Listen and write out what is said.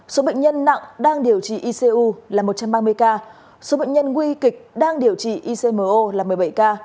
số bệnh nhân nặng đang điều trị icu là một trăm ba mươi ca số bệnh nhân nguy kịch đang điều trị icmo là một mươi bảy ca